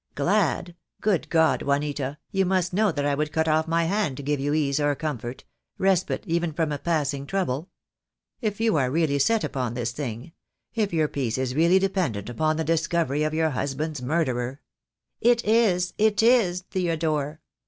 "Glad! Good God, Juanita, you must know that I would cut off my hand to give you ease or comfort — respite even from a passing trouble. And if you are really set upon this thing — if your peace is really depen dent upon the discovery of your husband's murderer " "It is, it is, Theodore.